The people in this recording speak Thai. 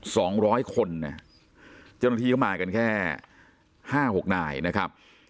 สองร้อยคนเนี่ยเจ้าหน้าที่เข้ามากันแค่ห้าหกนายนะครับ